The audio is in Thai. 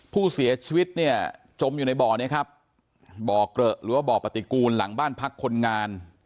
ผู้เสียชีวิตเนี่ยจมอยู่ในบ่อนี้ครับบ่อเกลอะหรือว่าบ่อปฏิกูลหลังบ้านพักคนงาน